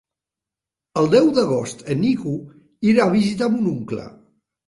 El deu d'agost en Nico irà a visitar mon oncle.